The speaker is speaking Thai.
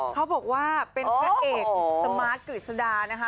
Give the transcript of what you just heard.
เขาบอกว่าเป็นพระเอกสมาร์ทกฤษดานะคะ